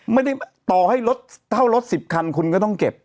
ไม่ได้ต่อให้รถเท่ารถ๑๐คันคุณก็ต้องเก็บ